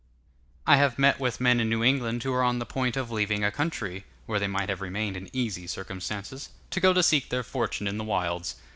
I have met with men in New England who were on the point of leaving a country, where they might have remained in easy circumstances, to go to seek their fortune in the wilds.